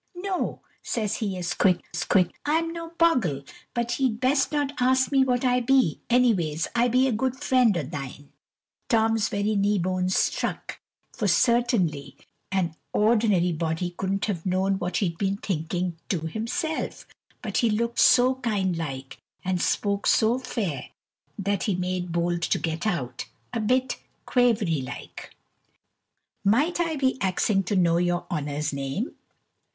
"No!" says he as quick as quick, "I am no bogle, but ye 'd best not ask me what I be; anyways I be a good friend o' thine." Tom's very knee bones struck, for certainly an ordinary body couldn't have known what he'd been thinking to himself, but he looked so kind like, and spoke so fair, that he made bold to get out, a bit quavery like "Might I be axing to know your honour's name?"